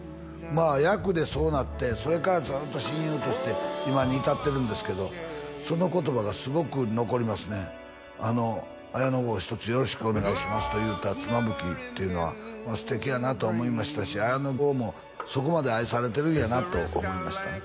まあ役でそうなってそれからずっと親友として今に至ってるんですけどその言葉がすごく残りますね「綾野剛をひとつ」「よろしくお願いします」と言った妻夫木っていうのはまあ素敵やなと思いましたし綾野剛もそこまで愛されてるんやなと思いましたね